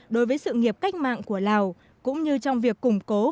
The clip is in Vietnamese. đối với sự nghiệp cách mạng của lào cũng như trong việc củng cố